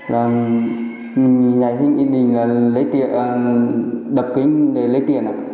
là nhà sinh yên bình đập kính để lấy tiền